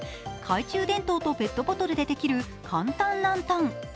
懐中電灯とペットボトルでできる簡単ランタン。